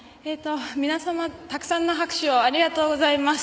皆様、たくさんの拍手をありがとうございます。